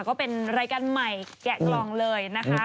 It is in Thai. ก็เป็นรายการใหม่แกะกล่องเลยนะคะ